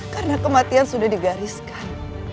karena kematian sudah digariskan